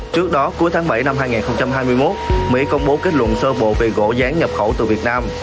trước đó cuối tháng bảy năm hai nghìn hai mươi một mỹ công bố kết luận sơ bộ về gỗ rán nhập khẩu từ việt nam